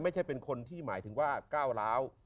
ไม่ใช่เป็นคนที่หมายถึงว่าก้าวร้าว